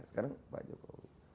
sekarang pak jokowi